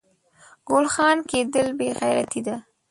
ګل خان کیدل بې غیرتي ده